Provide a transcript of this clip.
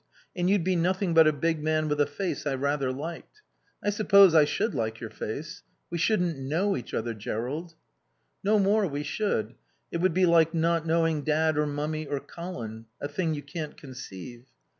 And you'd be nothing but a big man with a face I rather liked. I suppose I should like your face. We shouldn't know each other, Jerrold." "No more we should. It would be like not knowing Dad or Mummy or Colin. A thing you can't conceive."